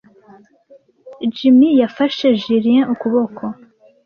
Jim yafashe Julie ukuboko.